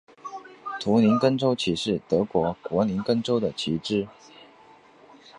图林根州旗是德国图林根州的旗帜。